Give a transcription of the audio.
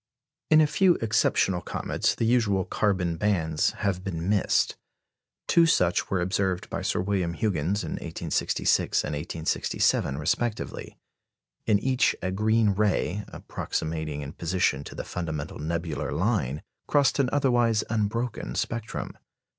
] In a few exceptional comets the usual carbon bands have been missed. Two such were observed by Sir William Huggins in 1866 and 1867 respectively. In each a green ray, approximating in position to the fundamental nebular line, crossed an otherwise unbroken spectrum.